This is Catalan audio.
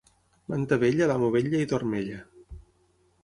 Manta vella, l'amo vetlla i dorm ella.